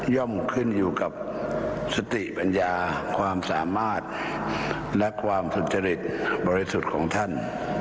่อมขึ้นอยู่กับสติปัญญาความสามารถและความสุจริตบริสุทธิ์ของท่าน